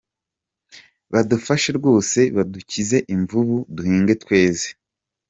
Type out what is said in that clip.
Badufashe rwose badukize imvubu duhinge tweze.